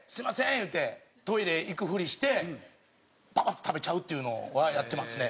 言うてトイレ行くふりしてババッと食べちゃうっていうのはやってますね。